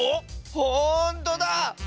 ほんとだ！